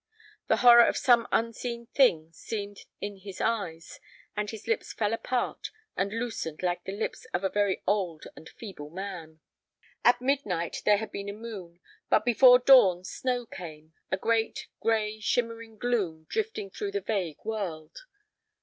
The horror of some unseen thing seemed in his eyes, and his lips fell apart and loosened like the lips of a very old and feeble man. At midnight there had been a moon, but before dawn snow came, a great, gray, shimmering gloom drifting through the vague world.